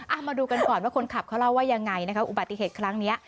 เอามาดูกันก่อนว่าคนขับเขาเล่าว่ายังไงนะคะอุบัติเหตุครั้งนี้